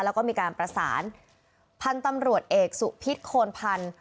แล้วก็มีการประสานพันธุ์ตำรวจเอกสุพิษโคนพันธ์